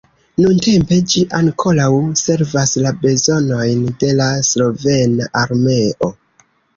Nuntempe ĝi ankoraŭ servas la bezonojn de la slovena armeo.